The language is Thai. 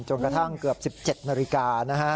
จนกระทั่งเกือบ๑๗นาฬิกานะฮะ